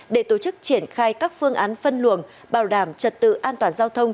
để tổ chức triển khai các phương án phân luồng bảo đảm trật tự an toàn giao thông